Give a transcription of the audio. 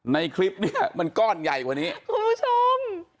ในคลิปเนี่ยมันก้อนใหญ่กว่านี้คุณผู้ชม